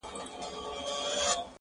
په غوغا به يې په ښار كي ځوان او زوړ كړ!.